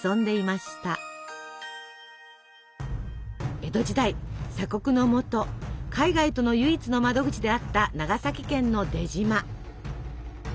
江戸時代鎖国のもと海外との唯一の窓口であった長崎県の出島。